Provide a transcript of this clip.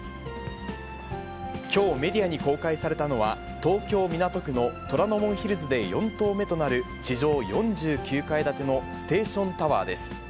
きょう、メディアに公開されたのは、東京・港区の虎ノ門ヒルズで４棟目となる地上４９階建てのステーションタワーです。